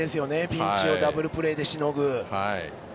ピンチをダブルプレーでしのぐ。